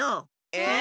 え？